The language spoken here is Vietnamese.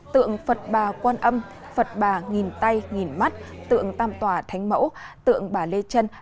tượng phật bà quan âm phật bà nghìn tay nghìn mắt tượng tam tòa thánh mẫu tượng bà lê trân